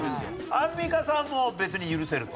アンミカさんも別に許せると。